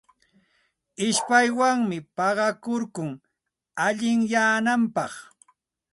Ishpaywanmi paqakurkun allinyananpaq.